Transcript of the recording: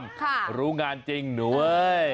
รู้งานจริงหนูเว้ย